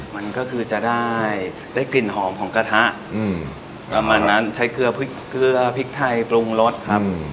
มันก็คือจะได้ได้กลิ่นหอมของกระทะประมาณนั้นใช้เกลือพริกเกลือพริกไทยปรุงรสครับ